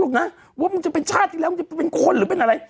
นะว่ามึงจะเป็นชาติที่แล้วมึงจะเป็นคนหรือเป็นอะไร